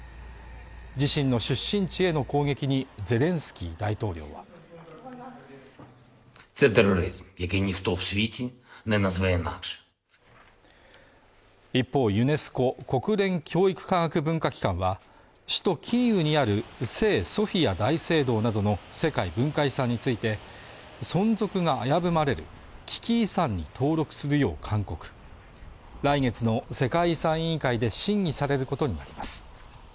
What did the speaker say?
自身の出身地への攻撃にゼレンスキー大統領は一方、ユネスコ＝国連教育科学文化機関は首都キーウにある聖ソフィア大聖堂などの世界文化遺産について存続が危ぶまれる危機遺産に登録するよう勧告来月の世界遺産委員会で審議されることになります